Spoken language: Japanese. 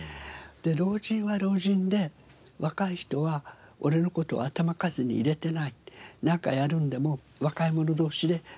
老人は老人で「若い人は俺の事を頭数に入れてない」「なんかやるのでも若い者同士で決めてる」。